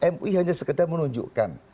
mui hanya sekedar menunjukkan